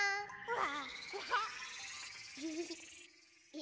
「わ！」